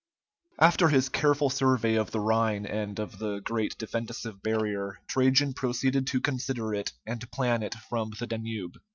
After his careful survey of the Rhine end of the great defensive barrier, Trajan proceeded to consider it and plan it from the Danube.